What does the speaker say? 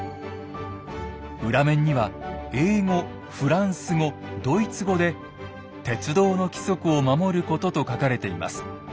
裏面には英語・フランス語・ドイツ語で「鉄道の規則を守ること」と書かれています。